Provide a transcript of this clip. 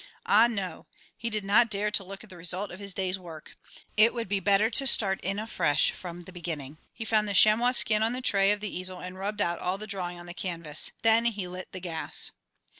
Ah, no; he did not dare to look at the result of his day's work. It would be better to start in afresh from the beginning. He found the chamois skin on the tray of the easel and rubbed out all the drawing on the canvas. Then he lit the gas.